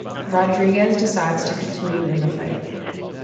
Rodriguez decides to continue in the fight.